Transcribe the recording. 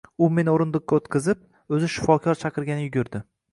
U meni o`rindiqqa yotqizib, o`zi shifokor chaqirgani yugurdi